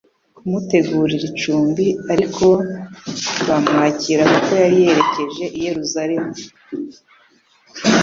kumutegurira icumbi. Ariko ntibamwakira kuko yari yerekeje i Yerusalemu.